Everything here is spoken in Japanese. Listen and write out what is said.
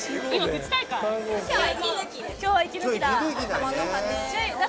今日は息抜きだ。